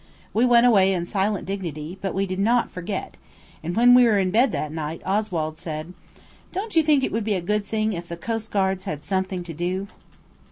We went away in silent dignity, but we did not forget, and when we were in bed that night Oswald said– "Don't you think it would be a good thing if the coast guards had something to do?"